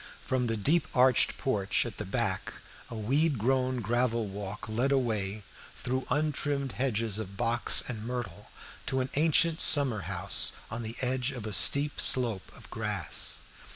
From the deep arched porch at the back a weed grown gravel walk led away through untrimmed hedges of box and myrtle to an ancient summer house on the edge of a steep slope of grass.